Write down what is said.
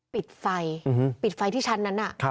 ปิดไฟปิดไฟที่ชั้นนั้น